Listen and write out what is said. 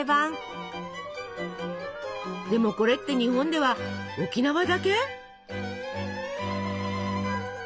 でもこれって日本では沖縄だけ？